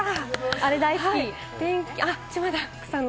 あれ、大好き！